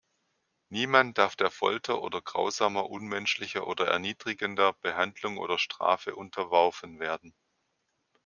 Niemand darf der Folter oder grausamer, unmenschlicher oder erniedrigender Behandlung oder Strafe unterworfen werden.